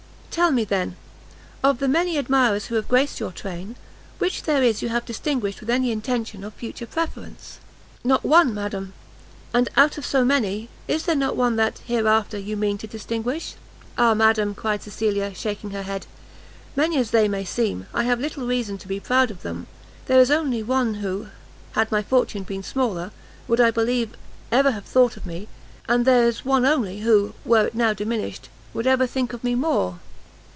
"Tell me, then, of the many admirers who have graced your train, which there is you have distinguished with any intention of future preference?" "Not one, madam!" "And, out of so many, is there not one that, hereafter, you mean to distinguish?" "Ah madam!" cried Cecilia, shaking her head, "many as they may seem, I have little reason to be proud of them; there is one only who, had my fortune been smaller, would, I believe, ever have thought of me, and there is one only, who, were it now diminished, would ever think of me more."